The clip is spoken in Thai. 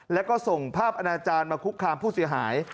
แล้วก็ส่งภาพอาณาจารย์มาคุกคามผู้เสียหาย